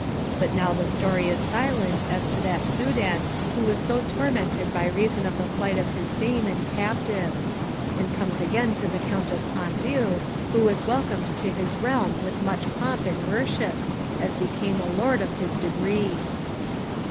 But now the story is silent as to that Soudan who was so tormented by reason of the flight of his dame and captives; and comes again to the Count of Ponthieu, who was welcomed to his realm with such pomp and worship, as became a lord of his degree.